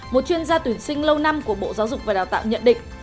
một chuyên gia tuyển sinh lâu năm của bộ giáo dục và đào tạo nhận định